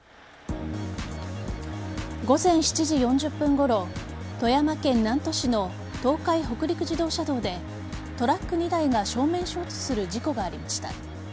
午前７時４０分ごろ富山県南砺市の東海北陸自動車道でトラック２台が正面衝突する事故がありました。